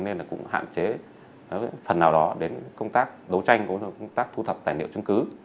nên là cũng hạn chế phần nào đó đến công tác đấu tranh cũng như công tác thu thập tài liệu chứng cứ